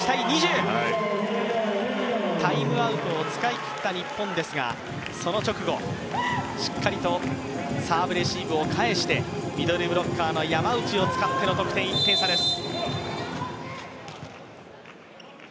タイムアウトを使い切った日本ですが、その直後、しっかりとサーブレシーブを返してミドルブロッカーの山内を使っての得点、１点差です。